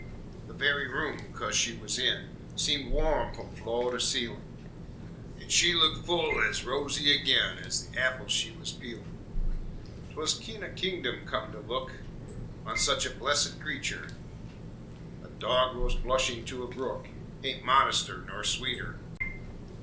The very room, coz she was in, Seemed warm f'om floor to ceilin', An' she looked full ez rosy agin Ez the apples she was peelin'. 'T was kin' o' kingdom come to look On sech a blessed cretur; A dogrose blushin' to a brook Ain't modester nor sweeter.